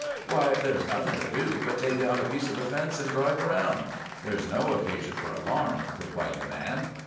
"'Why, there's nothing to do but take down a piece of the fence and drive around. There's no occasion for alarm!' replied the man.